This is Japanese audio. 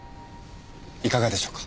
いかがでしょうか？